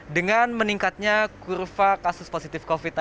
dengan meningkatnya kurva kasus positif covid sembilan belas